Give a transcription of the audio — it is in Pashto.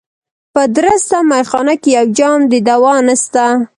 په درسته مېخانه کي یو جام د دوا نسته